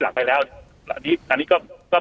หลักไปแล้วอันนี้ก็ไม่ได้ว่ารภัณฑ์นะครับ